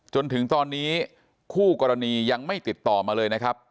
จนถึงตอนนี้คู่กรณียังไม่ติดต่อมาเลยนะครับ